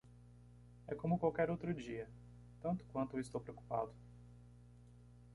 É como qualquer outro dia, tanto quanto eu estou preocupado.